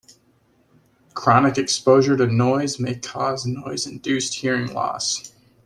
Chronic exposure to noise may cause noise-induced hearing loss.